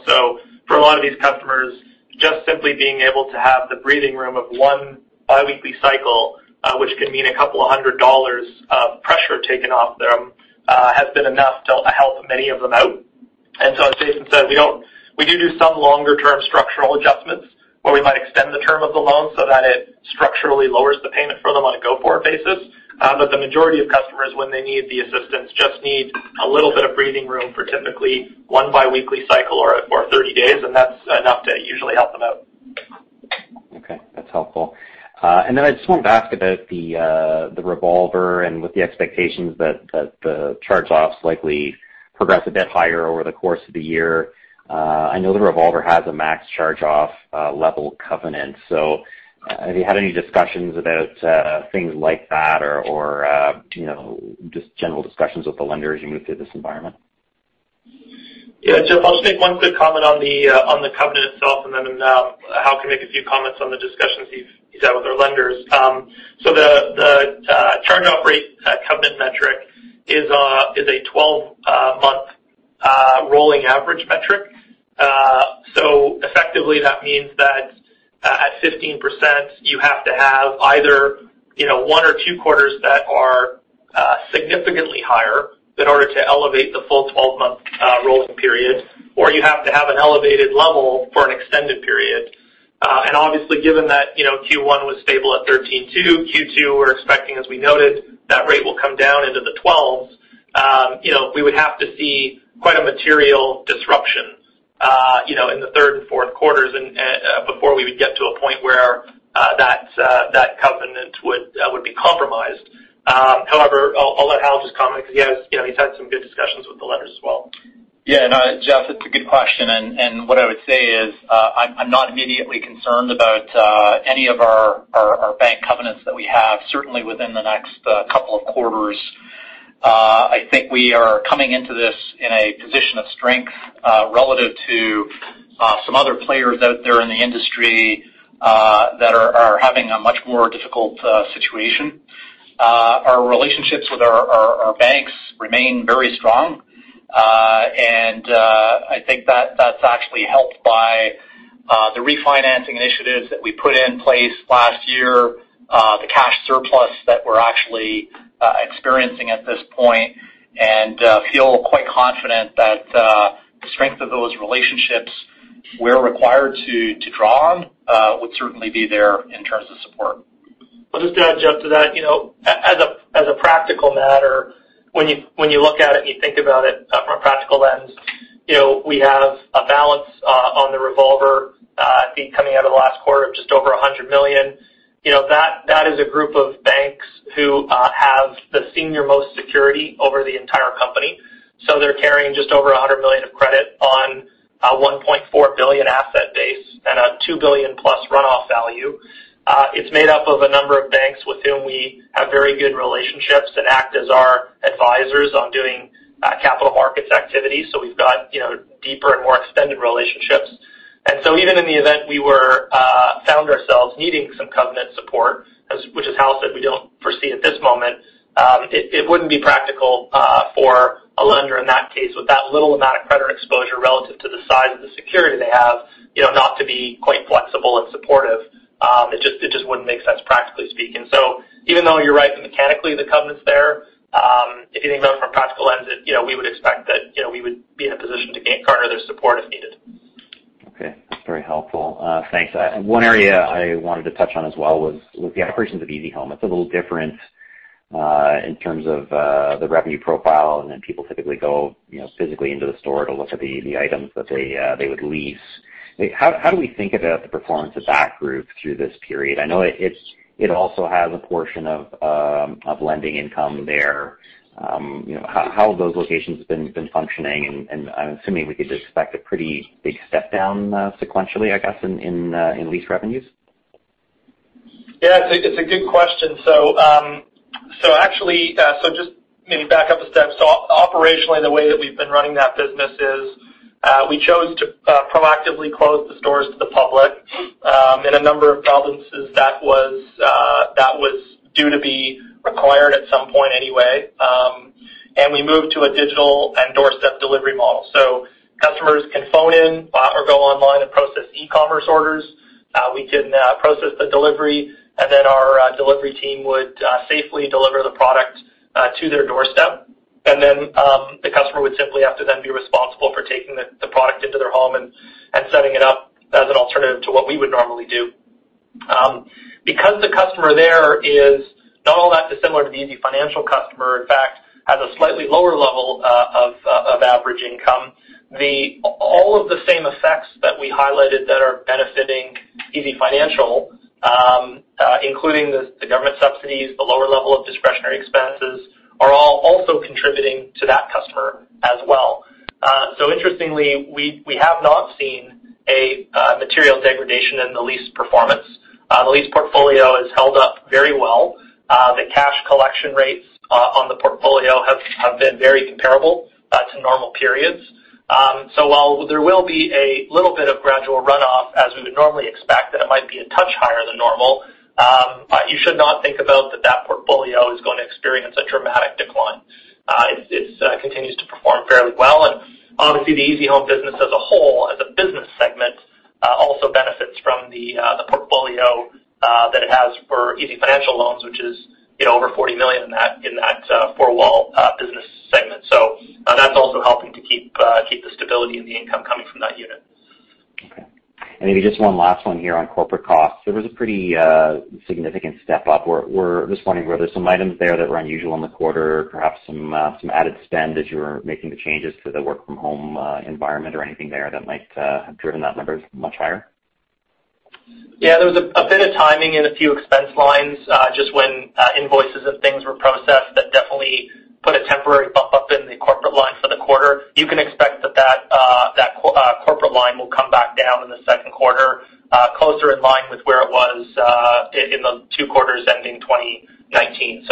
For a lot of these customers, just simply being able to have the breathing room of one biweekly cycle, which can mean a couple of hundred CAD of pressure taken off them has been enough to help many of them out. As Jason said, we do some longer-term structural adjustments where we might extend the term of the loan so that it structurally lowers the payment for them on a go-forward basis. The majority of customers when they need the assistance just need a little bit of breathing room for typically one biweekly cycle or 30 days, and that's enough to usually help them out. Okay. That's helpful. I just wanted to ask about the revolver and with the expectations that the charge-offs likely progress a bit higher over the course of the year. I know the revolver has a max charge-off level covenant. Have you had any discussions about things like that or just general discussions with the lender as you move through this environment? Jeff, I'll just make one quick comment on the covenant itself, Hal can make a few comments on the discussions he's had with our lenders. The charge-off rate covenant metric is a 12-month rolling average metric. Effectively, that means that at 15%, you have to have either one or two quarters that are significantly higher in order to elevate the full 12-month rolling period, or you have to have an elevated level for an extended period. Given that Q1 was stable at 13.2%, Q2, we're expecting, as we noted, that rate will come down into the 12s. We would have to see quite a material disruption in the third and fourth quarters before we would get to a point where that covenant would be compromised. I'll let Hal just comment because he's had some good discussions with the lenders as well. Yeah, no, Jeff, it's a good question. What I would say is, I'm not immediately concerned about any of our bank covenants that we have, certainly within the next couple of quarters. I think we are coming into this in a position of strength relative to some other players out there in the industry that are having a much more difficult situation. Our relationships with our banks remain very strong. I think that's actually helped by the refinancing initiatives that we put in place last year, the cash surplus that we're actually experiencing at this point, and feel quite confident that the strength of those relationships we're required to draw on would certainly be there in terms of support. Just to add, Jeff, to that. As a practical matter, when you look at it and you think about it from a practical lens, we have a balance on the revolver, I think coming out of the last quarter of just over 100 million. That is a group of banks who have the senior-most security over the entire company. They're carrying just over 100 million of credit on a 1.4 billion asset base and a 2 billion-plus runoff value. It's made up of a number of banks with whom we have very good relationships and act as our advisors on doing capital markets activities. Even in the event we found ourselves needing some covenant support, which as Hal said, we don't foresee at this moment. It wouldn't be practical for a lender in that case with that little amount of credit exposure relative to the size of the security they have, not to be quite flexible and supportive. It just wouldn't make sense practically speaking. Even though you're right that mechanically the covenant's there, if you think about it from a practical lens, we would expect that we would be in a position to gain garner their support if needed. Okay. That's very helpful. Thanks. One area I wanted to touch on as well was the operations of easyhome. It's a little different in terms of the revenue profile and then people typically go physically into the store to look at the items that they would lease. How do we think about the performance of that group through this period? I know it also has a portion of lending income there. How have those locations been functioning? I'm assuming we could just expect a pretty big step down sequentially, I guess, in lease revenues. It's a good question. Just maybe back up a step. Operationally, the way that we've been running that business is we chose to proactively close the stores to the public. In a number of provinces that was due to be required at some point anyway. We moved to a digital and doorstep delivery model. Customers can phone in or go online and process e-commerce orders. We can process the delivery, then our delivery team would safely deliver the product to their doorstep. Then the customer would simply have to then be responsible for taking the product into their home and setting it up as an alternative to what we would normally do. The customer there is not all that dissimilar to the easyfinancial customer, in fact, has a slightly lower level of average income. All of the same effects that we highlighted that are benefiting easyfinancial including the government subsidies, the lower level of discretionary expenses, are all also contributing to that customer as well. Interestingly, we have not seen a material degradation in the lease performance. The lease portfolio has held up very well. The cash collection rates on the portfolio have been very comparable to normal periods. While there will be a little bit of gradual runoff as we would normally expect, and it might be a touch higher than normal. You should not think about that portfolio is going to experience a dramatic decline. It continues to perform fairly well. Obviously the easyhome business as a whole, as a business segment, also benefits from the portfolio that it has for easyfinancial loans, which is over 40 million in that four-wall business segment. That's also helping to keep the stability and the income coming from that unit. Okay. Maybe just one last one here on corporate costs. There was a pretty significant step up this morning. Were there some items there that were unusual in the quarter, perhaps some added spend as you were making the changes to the work from home environment or anything there that might have driven that number much higher? Yeah, there was a bit of timing in a few expense lines just when invoices and things were processed that definitely put a temporary bump up in the corporate line for the quarter. You can expect that corporate line will come back down in the second quarter closer in line with where it was in the two quarters ending 2019.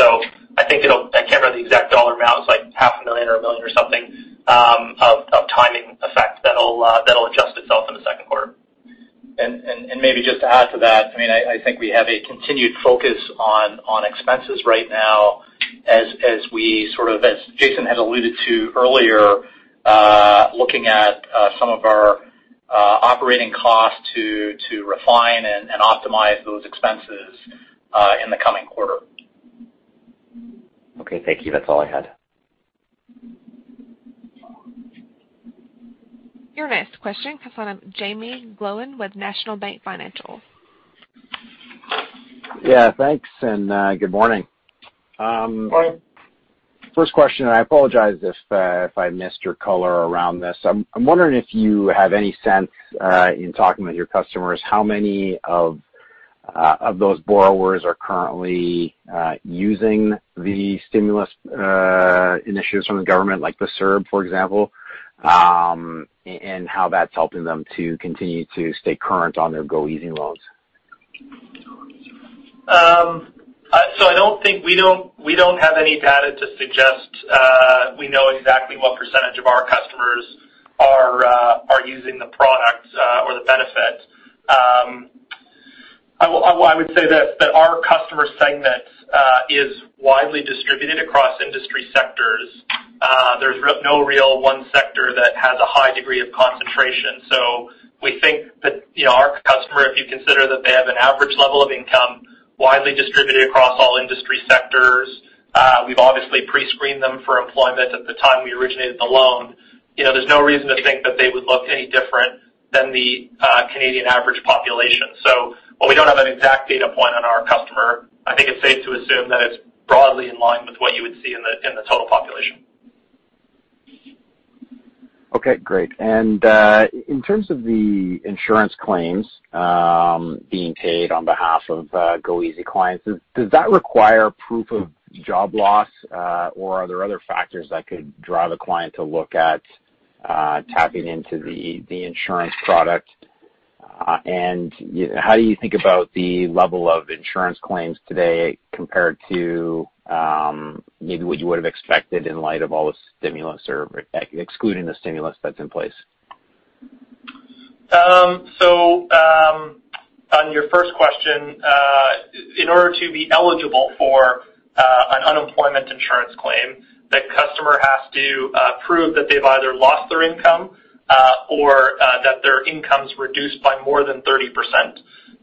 I can't remember the exact dollar amount. It's like CAD half a million or 1 million or something of timing effect that'll adjust itself in the second quarter. Maybe just to add to that. I think we have a continued focus on expenses right now as Jason had alluded to earlier. Looking at some of our operating costs to refine and optimize those expenses in the coming quarter. Okay. Thank you. That's all I had. Your next question comes from Jaeme Gloyn with National Bank Financial. Yeah. Thanks, and good morning. Morning. First question, I apologize if I missed your color around this. I'm wondering if you have any sense in talking with your customers how many of those borrowers are currently using the stimulus initiatives from the government, like the CERB, for example, and how that's helping them to continue to stay current on their goeasy loans. I don't think we don't have any data to suggest we know exactly what percentage of our customers are using the product or the benefit. I would say that our customer segment is widely distributed across industry sectors. There's no real one sector that has a high degree of concentration. We think that our customer, if you consider that they have an average level of income widely distributed across all industry sectors, we've obviously pre-screened them for employment at the time we originated the loan. There's no reason to think that they would look any different than the Canadian average population. While we don't have an exact data point on our customer, I think it's safe to assume that it's broadly in line with what you would see in the total population. Okay. Great. In terms of the insurance claims being paid on behalf of goeasy clients, does that require proof of job loss? Are there other factors that could drive a client to look at tapping into the insurance product? How do you think about the level of insurance claims today compared to maybe what you would have expected in light of all the stimulus or excluding the stimulus that's in place? On your first question, in order to be eligible for an unemployment insurance claim, the customer has to prove that they've either lost their income or that their income's reduced by more than 30%.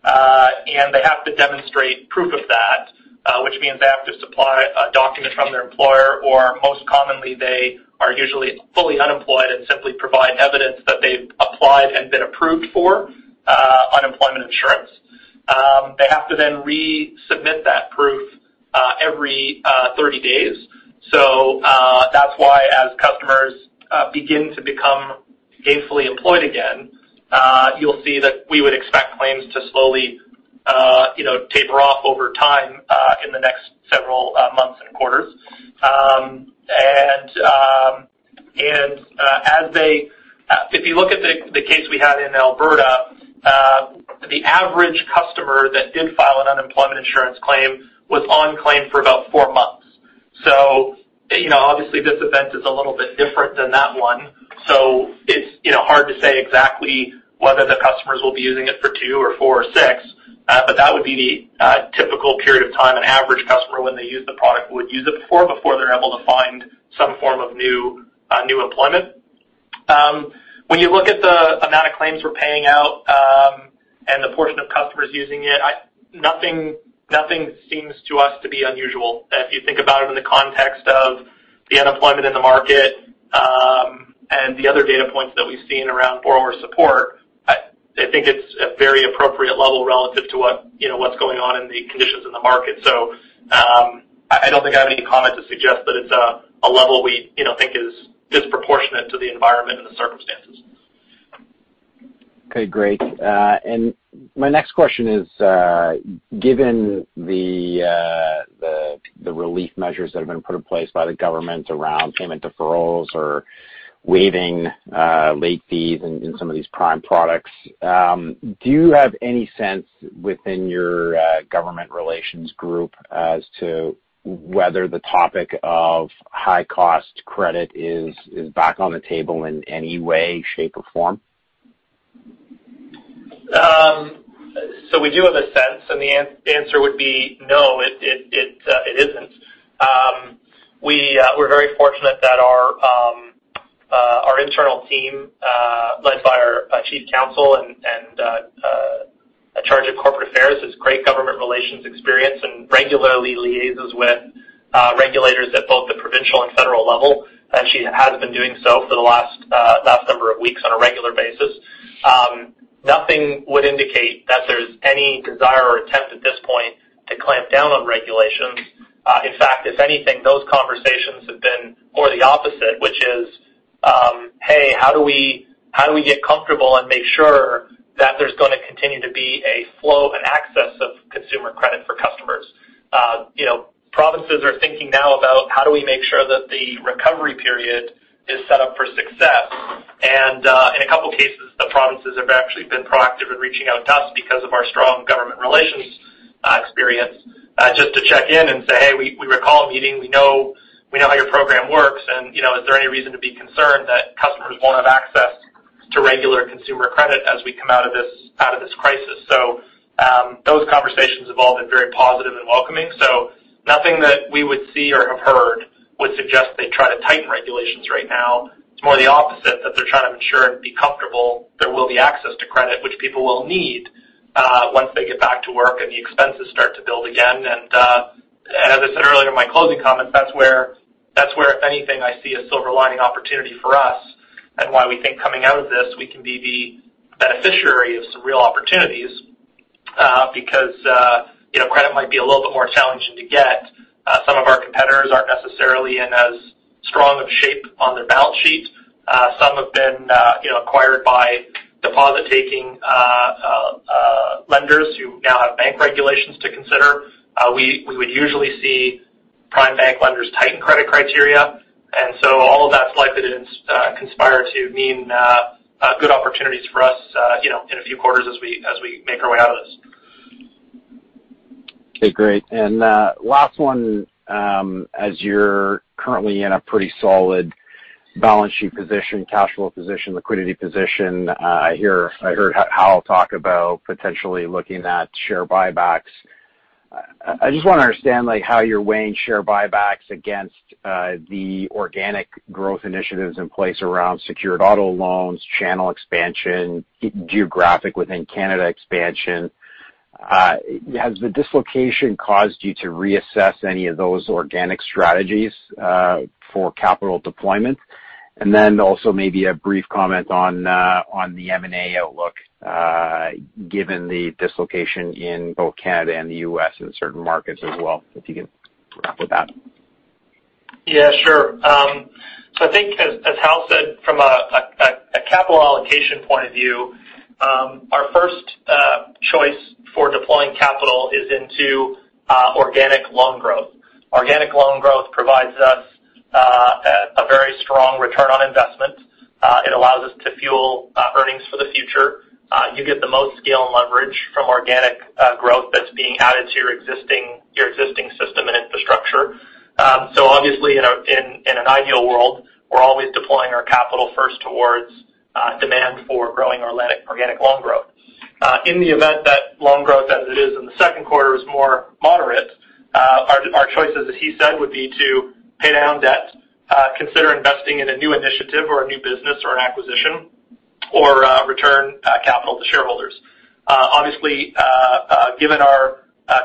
They have to demonstrate proof of that, which means they have to supply a document from their employer, or most commonly, they are usually fully unemployed and simply provide evidence that they've applied and been approved for unemployment insurance. They have to then resubmit that proof every 30 days. That's why as customers begin to become gainfully employed again you'll see that we would expect claims to slowly taper off over time in the next several months and quarters. If you look at the case we had in Alberta the average customer that did file an unemployment insurance claim was on claim for about four months. Obviously this event is a little bit different than that one, so it's hard to say exactly whether the customers will be using it for two or four or six. That would be the typical period of time an average customer when they use the product would use it before they're able to find some form of new employment. When you look at the amount of claims we're paying out and the portion of customers using it, nothing seems to us to be unusual. If you think about it in the context of the unemployment in the market and the other data points that we've seen around borrower support, I think it's a very appropriate level relative to what's going on in the conditions in the market. I don't think I have any comment to suggest that it's a level we think is disproportionate to the environment and the circumstances. Okay, great. My next question is given the relief measures that have been put in place by the government around payment deferrals or waiving late fees in some of these prime products, do you have any sense within your government relations group as to whether the topic of high-cost credit is back on the table in any way, shape, or form? We do have a sense, and the answer would be no, it isn't. We're very fortunate that our internal team led by our chief counsel and charge of corporate affairs has great government relations experience and regularly liaises with regulators at both the provincial and federal level. She has been doing so for the last number of weeks on a regular basis. Nothing would indicate that there's any desire or attempt at this point to clamp down on regulations. In fact, if anything, those conversations have been more the opposite, which is, hey, how do we get comfortable and make sure that there's going to continue to be a flow and access of consumer credit for customers? Provinces are thinking now about how do we make sure that the recovery period is set up for success. In a couple of cases, the provinces have actually been proactive in reaching out to us because of our strong government relations experience just to check in and say, "Hey, we recall meeting. We know how your program works, and is there any reason to be concerned that customers won't have access to regular consumer credit as we come out of this crisis?" Those conversations have all been very positive and welcoming. Nothing that we would see or have heard would suggest they try to tighten regulations right now. It's more the opposite, that they're trying to ensure and be comfortable there will be access to credit, which people will need once they get back to work and the expenses start to build again. As I said earlier in my closing comments, that's where, if anything, I see a silver lining opportunity for us and why we think coming out of this, we can be the beneficiary of some real opportunities. Credit might be a little bit more challenging to get. Some of our competitors aren't necessarily in as strong of shape on their balance sheet. Some have been acquired by deposit-taking lenders who now have bank regulations to consider. We would usually see prime bank lenders tighten credit criteria. All of that's likely to conspire to mean good opportunities for us in a few quarters as we make our way out of this. Okay, great. Last one. As you're currently in a pretty solid balance sheet position, cash flow position, liquidity position, I heard Hal talk about potentially looking at share buybacks. I just want to understand how you're weighing share buybacks against the organic growth initiatives in place around secured auto loans, channel expansion, geographic within Canada expansion. Has the dislocation caused you to reassess any of those organic strategies for capital deployment? Also maybe a brief comment on the M&A outlook given the dislocation in both Canada and the U.S. and certain markets as well, if you can wrap with that. Sure. I think as Hal said, from a capital allocation point of view, our first choice for deploying capital is into organic loan growth. Organic loan growth provides us a very strong return on investment. It allows us to fuel earnings for the future. You get the most scale and leverage from organic growth that's being added to your existing system and infrastructure. Obviously, in an ideal world, we're always deploying our capital first towards demand for growing our organic loan growth. In the event that loan growth, as it is in the second quarter, is more moderate our choice as he said, would be to pay down debt, consider investing in a new initiative or a new business or an acquisition, or return capital to shareholders. Obviously, given our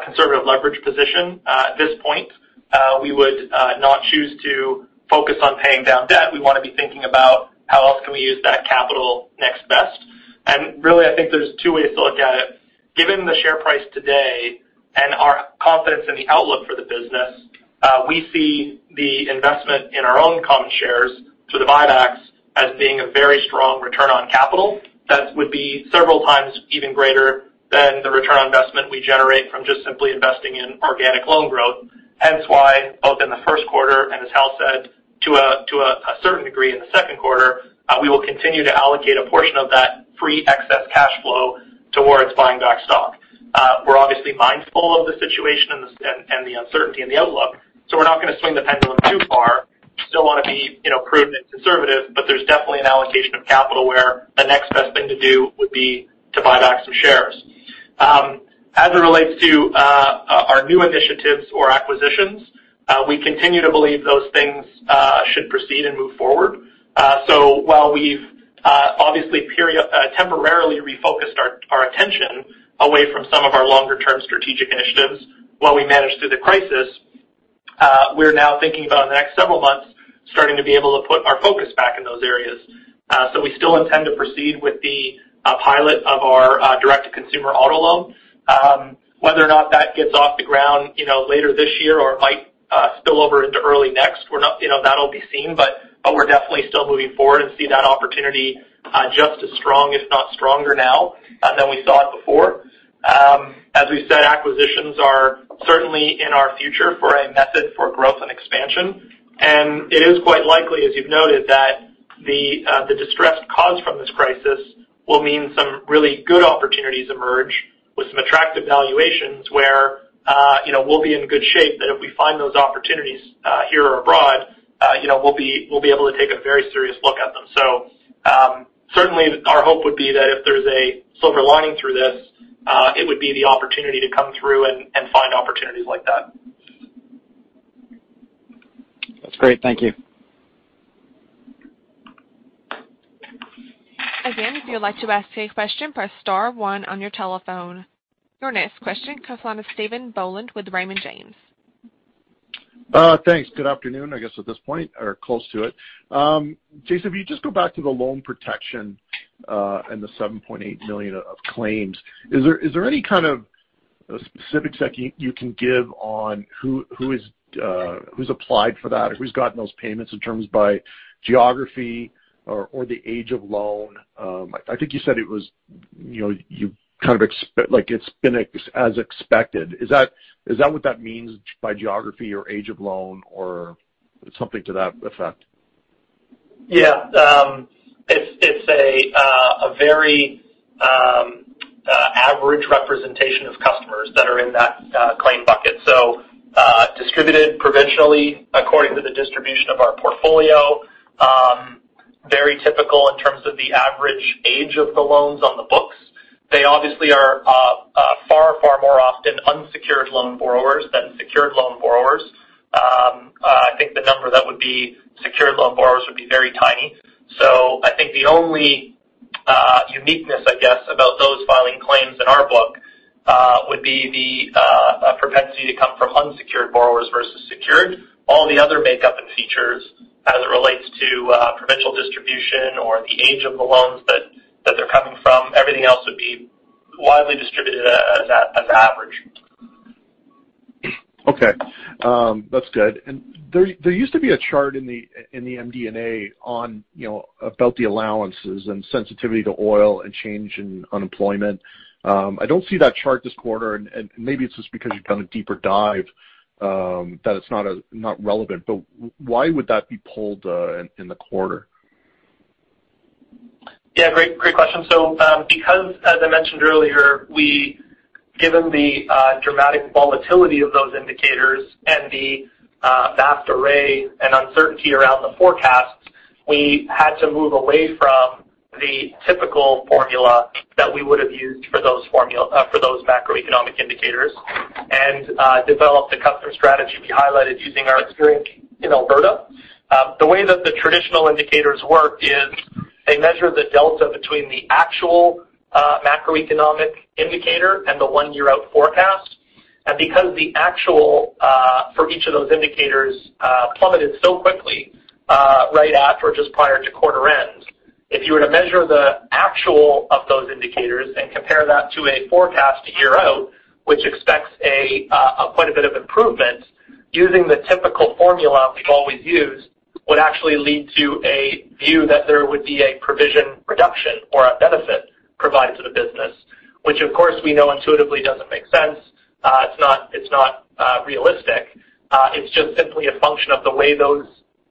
conservative leverage position at this point we would not choose to focus on paying down debt. We want to be thinking about how else can we use that capital next best. Really, I think there's two ways to look at it. Given the share price today and our confidence in the outlook for the business, we see the investment in our own common shares through the buybacks as being a very strong return on capital that would be several times even greater than the return on investment we generate from just simply investing in organic loan growth. Hence why both in the first quarter and as Hal said, to a certain degree in the second quarter, we will continue to allocate a portion of that free excess cash flow towards buying back stock. We're obviously mindful of the situation and the uncertainty in the outlook. We're not going to swing the pendulum too far. Still want to be prudent and conservative, but there's definitely an allocation of capital where the next best thing to do would be to buy back some shares. As it relates to our new initiatives or acquisitions, we continue to believe those things should proceed and move forward. While we've obviously temporarily refocused our attention away from some of our longer-term strategic initiatives while we manage through the crisis we're now thinking about in the next several months, starting to be able to put our focus back in those areas. We still intend to proceed with the pilot of our direct-to-consumer auto loan. Whether or not that gets off the ground later this year or it might spill over into early next, that'll be seen, but we're definitely still moving forward and see that opportunity just as strong, if not stronger now, than we saw it before. As we've said, acquisitions are certainly in our future for a method for growth and expansion. It is quite likely, as you've noted, that the distress caused from this crisis will mean some really good opportunities emerge with some attractive valuations where we'll be in good shape that if we find those opportunities here or abroad we'll be able to take a very serious look at them. Certainly, our hope would be that if there's a silver lining through this it would be the opportunity to come through and find opportunities like that. That's great. Thank you. If you'd like to ask a question, press star one on your telephone. Your next question comes on with Stephen Boland with Raymond James. Thanks. Good afternoon, I guess at this point or close to it. Jason, if you just go back to the loan protection and the 7.8 million of claims, is there any kind of specifics that you can give on who's applied for that or who's gotten those payments in terms by geography or the age of loan? I think you said it's been as expected. Is that what that means by geography or age of loan or something to that effect? It's a very average representation of customers that are in that claim bucket to the distribution of our portfolio, very typical in terms of the average age of the loans on the books. They obviously are far more often unsecured loan borrowers than secured loan borrowers. I think the number that would be secured loan borrowers would be very tiny. I think the only uniqueness, I guess, about those filing claims in our book would be the propensity to come from unsecured borrowers versus secured. All the other makeup and features as it relates to provincial distribution or the age of the loans that they're coming from, everything else would be widely distributed as average. Okay. That's good. There used to be a chart in the MD&A about the allowances and sensitivity to oil and change in unemployment. I don't see that chart this quarter, and maybe it's just because you've done a deeper dive that it's not relevant, but why would that be pulled in the quarter? Great question. Because, as I mentioned earlier, given the dramatic volatility of those indicators and the vast array and uncertainty around the forecasts, we had to move away from the typical formula that we would have used for those macroeconomic indicators and develop the custom strategy we highlighted using our experience in Alberta. The way that the traditional indicators work is they measure the delta between the actual macroeconomic indicator and the one-year-out forecast. Because the actual for each of those indicators plummeted so quickly right at or just prior to quarter end, if you were to measure the actual of those indicators and compare that to a forecast a year out, which expects quite a bit of improvement, using the typical formula we've always used would actually lead to a view that there would be a provision reduction or a benefit provided to the business, which of course we know intuitively doesn't make sense. It's not realistic. It's just simply a function of the way those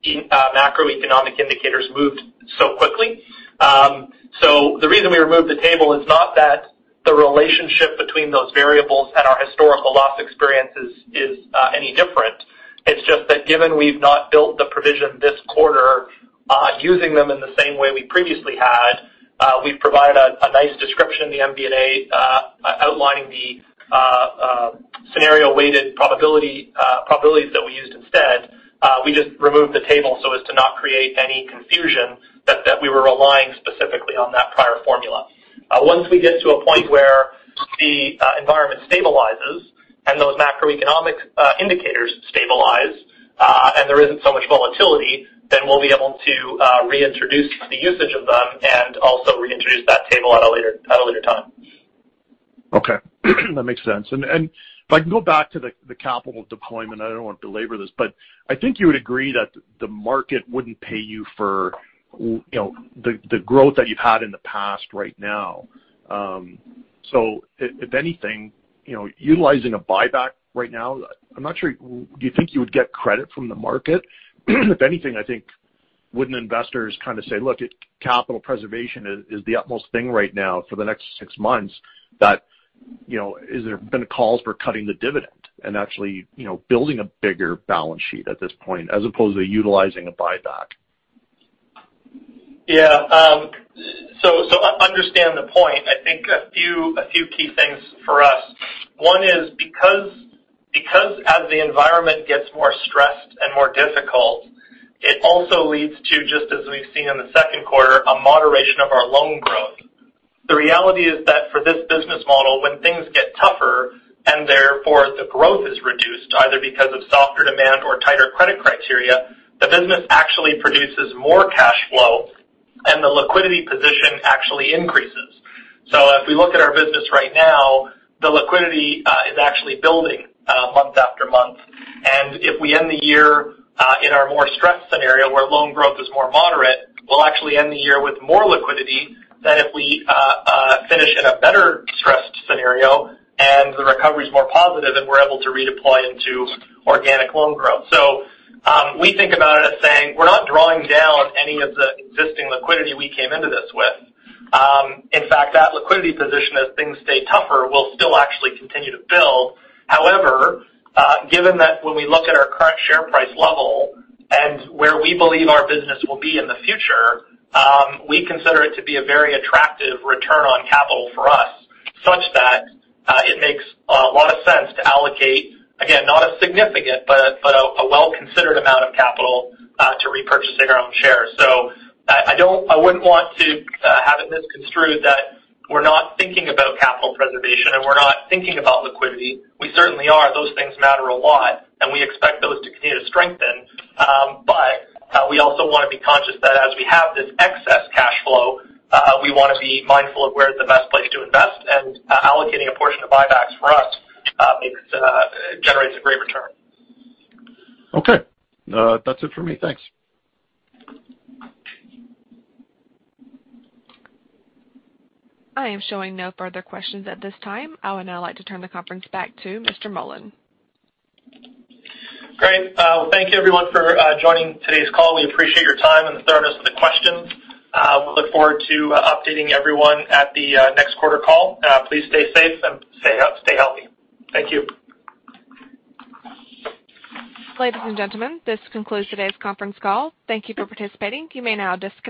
macroeconomic indicators moved so quickly. The reason we removed the table is not that the relationship between those variables and our historical loss experiences is any different. It's just that given we've not built the provision this quarter using them in the same way we previously had, we've provided a nice description in the MD&A outlining the scenario-weighted probabilities that we used instead. We just removed the table so as to not create any confusion that we were relying specifically on that prior formula. Once we get to a point where the environment stabilizes and those macroeconomic indicators stabilize, and there isn't so much volatility, then we'll be able to reintroduce the usage of them and also reintroduce that table at a later time. Okay. That makes sense. If I can go back to the capital deployment, I don't want to belabor this, but I think you would agree that the market wouldn't pay you for the growth that you've had in the past right now. If anything, utilizing a buyback right now, I'm not sure. Do you think you would get credit from the market? If anything, I think wouldn't investors kind of say, look, capital preservation is the utmost thing right now for the next six months that there have been calls for cutting the dividend and actually building a bigger balance sheet at this point as opposed to utilizing a buyback? Yeah. I understand the point. I think a few key things for us. One is because as the environment gets more stressed and more difficult, it also leads to, just as we've seen in the second quarter, a moderation of our loan growth. The reality is that for this business model, when things get tougher and therefore the growth is reduced, either because of softer demand or tighter credit criteria, the business actually produces more cash flow, and the liquidity position actually increases. If we look at our business right now, the liquidity is actually building month after month. If we end the year in our more stressed scenario where loan growth is more moderate, we'll actually end the year with more liquidity than if we finish in a better stressed scenario and the recovery's more positive and we're able to redeploy into organic loan growth. We think about it as saying we're not drawing down any of the existing liquidity we came into this with. In fact, that liquidity position, as things stay tougher, will still actually continue to build. However, given that when we look at our current share price level and where we believe our business will be in the future, we consider it to be a very attractive return on capital for us, such that it makes a lot of sense to allocate, again, not a significant, but a well-considered amount of capital to repurchasing our own shares. I wouldn't want to have it misconstrued that we're not thinking about capital preservation and we're not thinking about liquidity. We certainly are. Those things matter a lot, and we expect those to continue to strengthen. We also want to be conscious that as we have this excess cash flow, we want to be mindful of where the best place to invest and allocating a portion of buybacks for us generates a great return. Okay. That's it for me. Thanks. I am showing no further questions at this time. I would now like to turn the conference back to Mr. Mullins. Great. Well, thank you everyone for joining today's call. We appreciate your time and the thoroughness of the questions. We look forward to updating everyone at the next quarter call. Please stay safe and stay healthy. Thank you. Ladies and gentlemen, this concludes today's conference call. Thank you for participating. You may now disconnect.